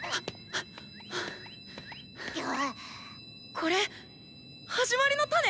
これ「始まりのタネ」